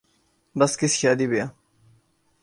بس کس شادی بیاہ